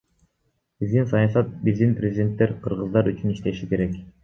Биздин саясат, биздин президенттер кыргыздар үчүн иштеши керек.